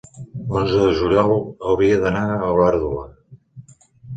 l'onze de juliol hauria d'anar a Olèrdola.